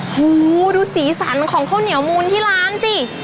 โหดูสีสันของข้าวเหนียวมูลทิยระนด์สิ